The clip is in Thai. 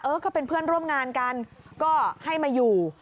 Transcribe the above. ก็เป็นเพื่อนร่วมงานกันก็ให้มาอยู่